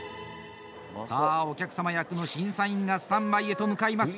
さあ、お客様役の審査員がスタンバイへと向かいます。